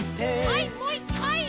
はいもう１かい！